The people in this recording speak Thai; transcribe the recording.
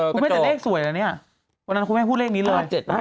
คุณแม่แต่เลขสวยนะเนี่ยวันนั้นคุณแม่พูดเลขนี้เลย